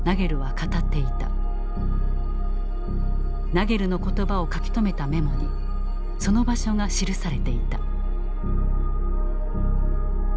ナゲルの言葉を書き留めたメモにその場所が記されていた。